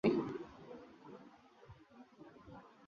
যেসব গুণ একজন মানুষকে সবার কাছে প্রিয় করে তার কিছুই আমার নেই।